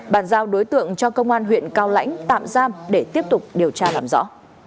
bàn giao đối tượng cho công an huyện cao lãnh tạm giam để tiếp tục điều tra làm rõ